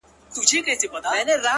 د دې لپاره چي ډېوه به یې راځي کلي ته!